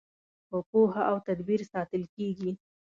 په پوهه او تدبیر ساتل کیږي.